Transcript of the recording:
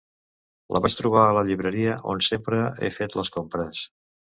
La vaig trobar a la llibreria on sempre he fet les compres.